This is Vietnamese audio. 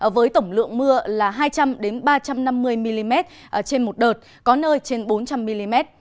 với tổng lượng mưa là hai trăm linh ba trăm năm mươi mm trên một đợt có nơi trên bốn trăm linh mm